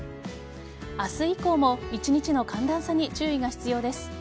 明日以降も一日の寒暖差に注意が必要です。